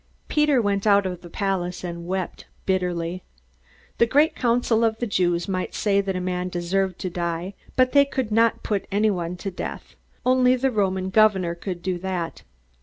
Peter went out of the palace, and wept bitterly. The great council of the Jews might say that a man deserved to die, but they could not put anyone to death. Only the Roman governor could do that.